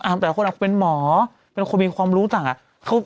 อาจารย์คนที่เป็นหมอเป็นคนมีความรู้สังค์อ่ะ